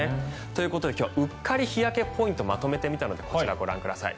ということで今日はうっかり日焼けポイントをまとめてみたのでこちら、ご覧ください。